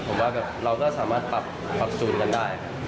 ผมว่าเราก็สามารถปรับจูนกันได้ครับ